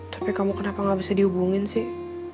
tapi kamu kenapa gak bisa dihubungin sih